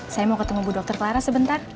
saya mau ketemu bu dr clara sebentar